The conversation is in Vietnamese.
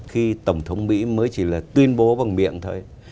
khi tổng thống mỹ mới chỉ là tuyên bố bằng miệng thôi